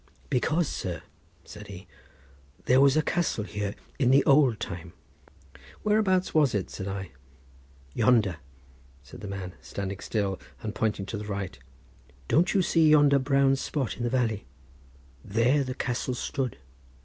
"Because, sir," said he, "there was a castle here in the old time." "Whereabouts was it?" said I. "Yonder," said the man, standing still and pointing to the right. "Don't you see yonder brown spot in the valley? There the castle stood."